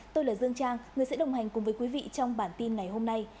tôi là dương trang người sẽ đồng hành cùng với quý vị trong bản tin ngày hôm nay